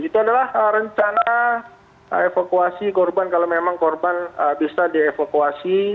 itu adalah rencana evakuasi korban kalau memang korban bisa dievakuasi